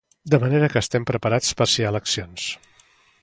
De manera que estem preparats per si hi ha eleccions.